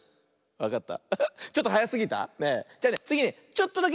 わかった？